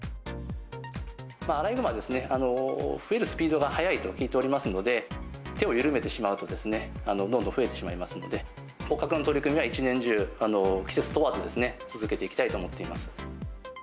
アライグマはですね、増えるスピードが速いと聞いておりますので、手を緩めてしまうと、どんどん増えてしまいますので、捕獲の取り組みは一年中、季節問わずですね、続けていきたいと思っています。